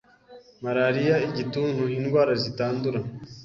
Malariya Igituntu indwara zitandura